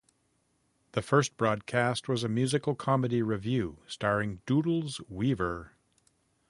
The first broadcast was a musical comedy revue starring Doodles Weaver.